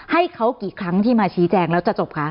ให้เขากี่ครั้งที่มาชี้แจงแล้วจะจบคะ